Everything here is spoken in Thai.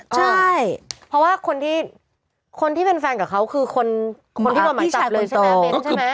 ใช่เพราะว่าคนที่คนที่เป็นแฟนกับเขาคือคนคนที่เราหมายจัดเลยใช่ไหม